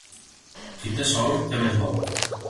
Qui té sol, què més vol?